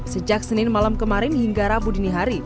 sejak senin malam kemarin hingga rabu dini hari